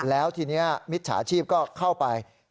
แล้วทีนี้มิจฉาชีพก็เข้าไป